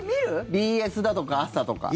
ＢＳだとか朝とか。